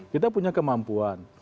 kita punya kemampuan